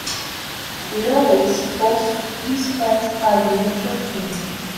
Louis Post-Dispatch All-Metro team.